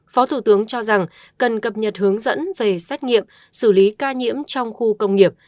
phó thủ tướng cho rằng cần cập nhật hướng dẫn về xét nghiệm xử lý ca nhiễm trong khu công nghiệp